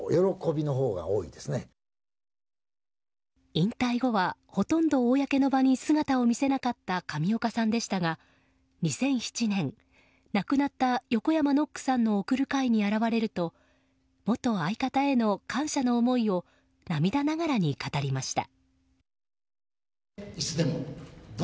引退後は、ほとんど公の場に姿を見せなかった上岡さんでしたが２００７年、亡くなった横山ノックさんの送る会に現れると元相方への感謝の思いを涙ながらに語りました。